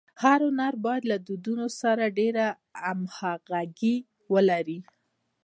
هر هنر باید له دودونو سره ډېره همږغي ولري.